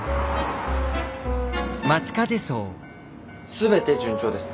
全て順調です。